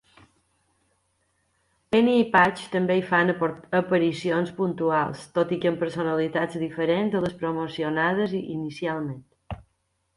Penny i Patch també hi fan aparicions puntuals, tot i que amb personalitats diferents de les promocionades inicialment.